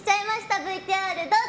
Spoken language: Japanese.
ＶＴＲ、どうぞ！